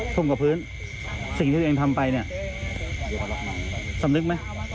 ทุ่มกับพื้นสิ่งที่ทุกอย่างทำไปสำนึกไหม